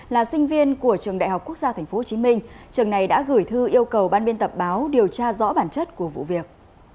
là sinh viên của trường đại học quốc gia tp hcm trường này đã gửi thư yêu cầu ban biên tập báo điều tra rõ bản chất của vụ việc